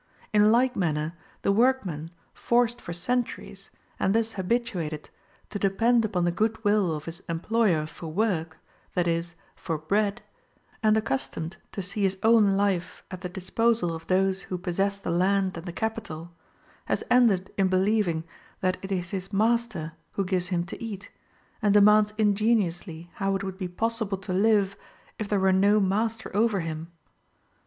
In like manner, the workman, forced for centuries, and thus habituated, to depend upon the good will of his employer for work, that is, for bread, and accustomed to see his own life at the disposal of those who possess the land and the capital, has ended in believing that it is his master who gives him to eat, and demands ingenuously how it would be possible to live, if there were no master over him?